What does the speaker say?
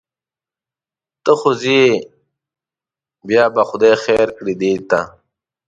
ته خو ځې بیا به خدای خیر کړي دې ته.